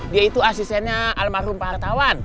dia itu asistennya almarhum pak hartawan